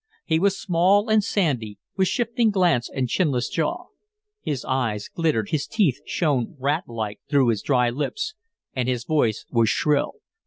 He was small and sandy, with shifting glance and chinless jaw. His eyes glittered, his teeth shone rat like through his dry lips, and his voice was shrill.